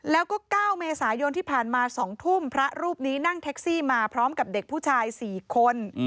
แล้วก็๙เมษายนที่ผ่านมา๒ทุ่มพระรูปนี้นั่งแท็กซี่มาพร้อมกับเด็กผู้ชาย๔คน